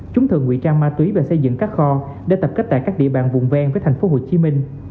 chúng thường ngụy trang ma túy về xây dựng các kho để tập kết tại các địa bàn vùng ven với thành phố hồ chí minh